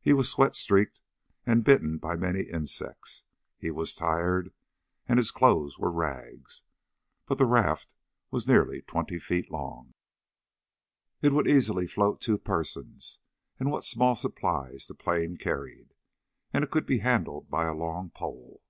He was sweat streaked and bitten by many insects. He was tired, and his clothes were rags. But the raft was nearly twenty feet long, it would easily float two persons and what small supplies the plane carried, and it could be handled by a long pole.